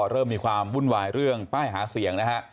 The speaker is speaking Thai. เริ่มมีความวุ่นวายเรื่องป้ายหาเสียงนะฮะ